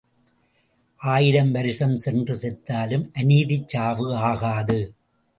ஆயிரம் வருஷம் சென்று செத்தாலும் அநீதிச் சாவு ஆகாது.